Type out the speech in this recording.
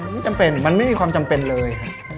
ไม่จำเป็นมันไม่มีความจำเป็นเลย